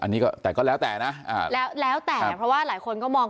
อันนี้ก็แต่ก็แล้วแต่นะอ่าแล้วแล้วแต่เพราะว่าหลายคนก็มอง